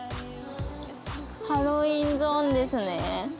ハロウィーンゾーンですね。